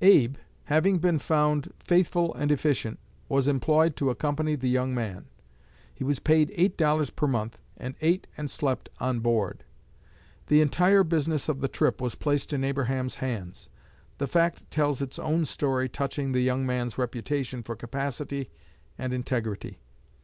Abe, having been found faithful and efficient, was employed to accompany the young man. He was paid eight dollars per month, and ate and slept on board." The entire business of the trip was placed in Abraham's hands. The fact tells its own story touching the young man's reputation for capacity and integrity.